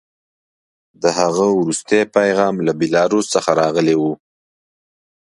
د هغه وروستی پیغام له بیلاروس څخه راغلی و